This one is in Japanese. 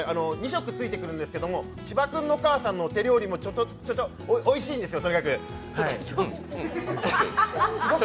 ２食ついてくるんですけど、芝君のお母さんの手料理もちょちょ、おいしいんですよ、とにかく。